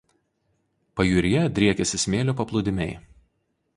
Pajūryje driekiasi smėlio paplūdimiai.